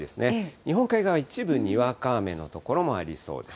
日本海側、一部にわか雨の所もありそうです。